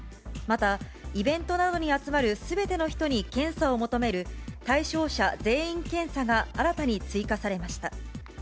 また、イベントなどに集まるすべての人に検査を求める対象者全員検査が新たに追加されました。